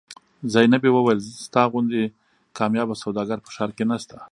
زینبې وویل ستا غوندې کاميابه سوداګر په ښار کې نشته.